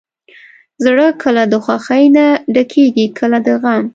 زړه کله د خوښۍ نه ډکېږي، کله د غم.